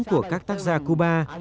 của các tác gia cuba